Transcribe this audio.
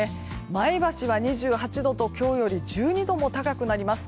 前橋は２８度と今日より１２度も高くなります。